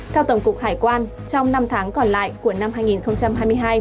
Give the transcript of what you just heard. theo tổng cục hải quan trong năm tháng còn lại của năm hai nghìn hai mươi hai